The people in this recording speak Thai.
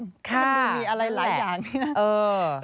ถูกมีอะไรหลายอย่างเนี่ย